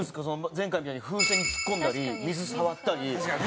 前回みたいに風船に突っ込んだり水触ったり。